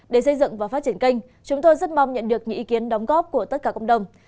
để xây dựng và phát triển kênh chúng tôi rất mong nhận được những ý kiến đóng góp của tất cả cộng đồng